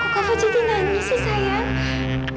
kau jadi nangis ya sayang